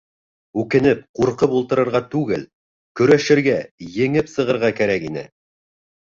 Үкенеп, ҡурҡынып ултырырға түгел, көрәшергә, еңеп сығырға кәрәк ине.